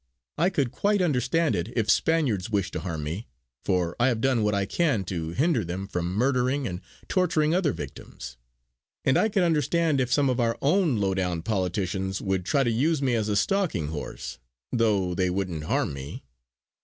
I could quite understand it if Spaniards wished to harm me, for I have done what I can to hinder them from murdering and torturing other victims. And I could understand if some of our own low down politicians would try to use me as a stalking horse, though they wouldn't harm me.